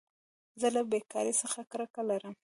زه له بېکارۍ څخه کرکه لرم.